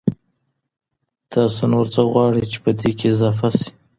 تاسو نور څه غواړئ چي پدې کي اضافه سي؟